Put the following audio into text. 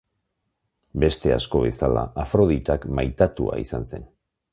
Beste asko bezala, Afroditak maitatua izan zen.